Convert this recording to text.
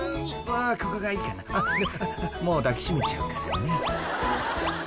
わあここがいいかなもう抱き締めちゃうからね。